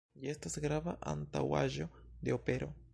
Ĝi estas grava antaŭaĵo de opero.